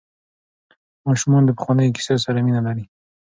ماشومان د پخوانیو کیسو سره مینه لري.